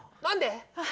何で？